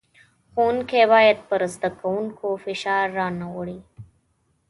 ښوونکی بايد پر زدکوونکو فشار را نۀ وړي.